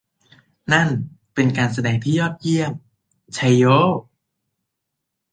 นั่นเป็นการแสดงที่ยอดเยี่ยม ! ไชโย !